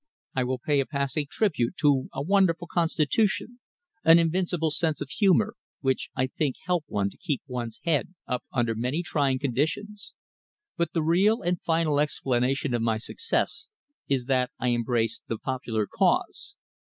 "I will pay a passing tribute to a wonderful constitution, an invincible sense of humour, which I think help one to keep one's head up under many trying conditions. But the real and final explanation of my success is that I embraced the popular cause.